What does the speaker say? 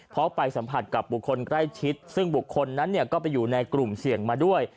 เพราะไปสัมผัสกับบุคคลใกล้ชิดซึ่งบุคคลนั้นก็ไปอยู่ในกลุ่มเสี่ยงมาด้วย